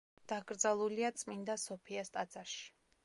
დაკრძალულია წმინდა სოფიას ტაძარში,